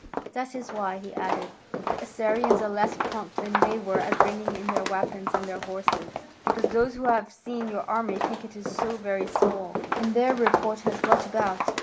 That is why," he added, "the Assyrians are less prompt than they were at bringing in their weapons and their horses, because those who have seen your army think it so very small, and their report has got about.